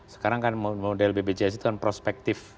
sekarang kan model baby jais itu kan prospektif